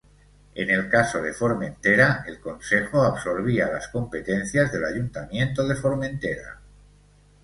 En el caso de Formentera, el Consejo absorbía las competencias del Ayuntamiento de Formentera.